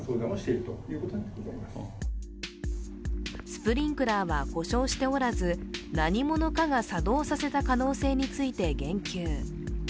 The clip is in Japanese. スプリンクラーは故障しておらず、何者かが作動させた可能性について言及。